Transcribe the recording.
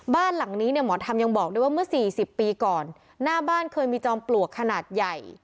บ้านหลังนี้เนี่ยหมอธรรมยังบอกด้วยว่าเมื่อสี่สิบปีก่อนหน้าบ้านเคยมีจอมปลวกขนาดใหญ่